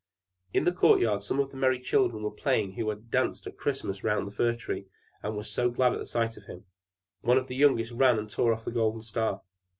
In the court yard some of the merry children were playing who had danced at Christmas round the Fir Tree, and were so glad at the sight of him. One of the youngest ran and tore off the golden star.